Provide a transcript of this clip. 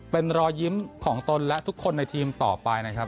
เป็นรอยยิ้มของตนและทุกคนในทีมต่อไปนะครับ